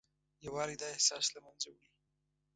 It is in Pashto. یووالی دا احساس له منځه وړي.